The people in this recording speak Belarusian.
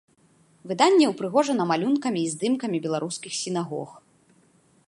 Выданне ўпрыгожана малюнкамі і здымкамі беларускіх сінагог.